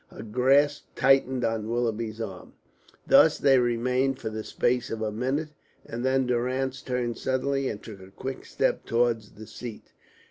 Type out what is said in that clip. Her grasp tightened on Willoughby's arm. Thus they remained for the space of a minute, and then Durrance turned suddenly and took a quick step towards the seat.